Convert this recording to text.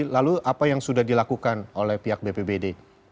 lalu apa yang sudah dilakukan oleh pihak bpbd